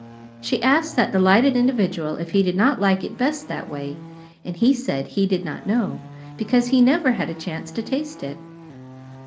She asked that delighted individual if he did not like it best that way, and he said he did not know, because he never had a chance to taste it.